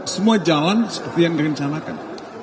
semua jalan seperti yang direncanakan